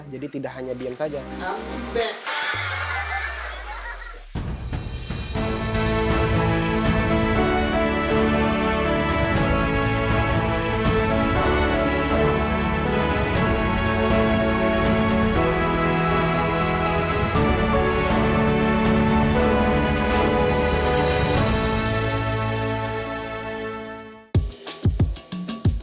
jadi tidak hanya diakui